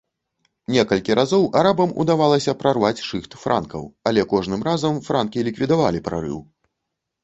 Некалькі разоў арабам удавалася прарваць шыхт франкаў, але кожным разам франкі ліквідавалі прарыў.